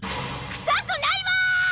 臭くないわ！